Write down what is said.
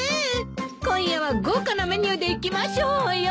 今夜は豪華なメニューでいきましょうよ。